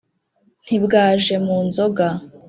ntibwa j e mu nzoga